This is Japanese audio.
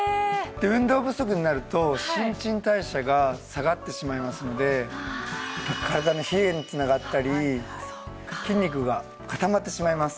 運動不足になると新陳代謝が下がってしまいますので体の冷えに繋がったり筋肉が固まってしまいます。